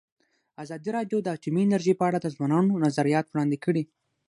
ازادي راډیو د اټومي انرژي په اړه د ځوانانو نظریات وړاندې کړي.